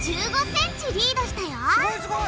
すごいすごい！